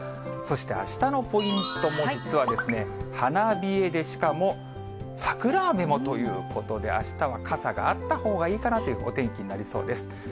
そして、あしたのポイントも実は花冷えで、しかも桜雨もということで、あしたは傘があったほうがいいかなというお天気になりそうです。